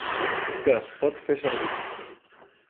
Que es pot fer servir.